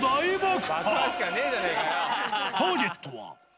ターゲットは。